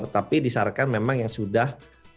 tapi disarankan memang yang sudah